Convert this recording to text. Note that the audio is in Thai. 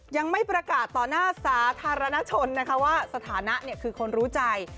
ยังไม่ประกาศต่อหน้าสาธารณชนนะคะว่าสถานะคือคนรู้ใจ